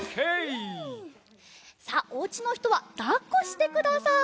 さあおうちのひとはだっこしてください。